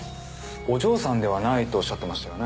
お嬢さんではないとおっしゃってましたよね。